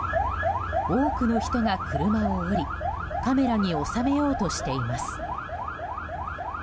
多くの人が車を降りカメラに収めようとしています。